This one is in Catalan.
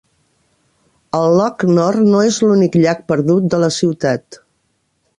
El Loch Nor no és l'únic "llac perdut" de la ciutat.